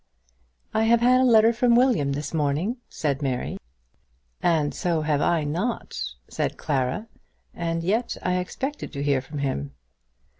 "I have had a letter from William this morning," said Mary. "And so have not I," said Clara, "and yet I expect to hear from him."